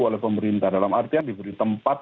oleh pemerintah dalam artian diberi tempat